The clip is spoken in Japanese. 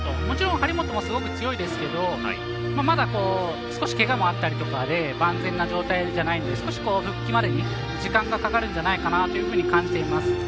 もちろん張本もすごく強いですけどまだ少しけがもあったりとかで万全な状態じゃないので少し復帰までに時間がかかるんじゃないかなと感じています。